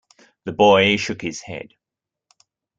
The boy shook his head.